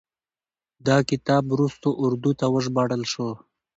دا کتاب وروستو اردو ته وژباړل شو.